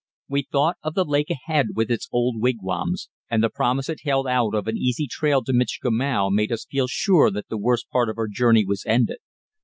We thought of the lake ahead with its old wigwams, and the promise it held out of an easy trail to Michikamau made us feel sure that the worst part of our journey was ended.